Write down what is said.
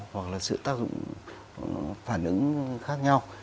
hoặc là sự tác dụng phản ứng khác nhau